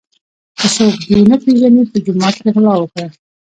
که څوک دي نه پیژني په جومات کي غلا وکړه.